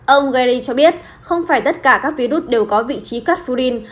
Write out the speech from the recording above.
ông gary cho biết không phải tất cả các virus đều có vị trí cắt furin